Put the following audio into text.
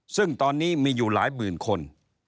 ซึ่งตอนนี้มีอยู่หลายหมื่นคน